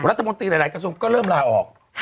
รัฐมนตรีหลายกระทรวงก็เริ่มลาออก